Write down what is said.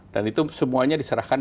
dan itu semuanya diserahkan